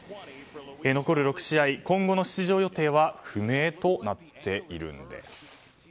残る６試合、今後の出場予定は不明となっているんです。